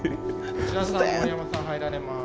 内田さん森山さん入られます。